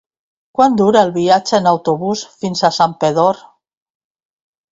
Quant dura el viatge en autobús fins a Santpedor?